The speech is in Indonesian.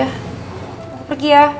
aku pergi ya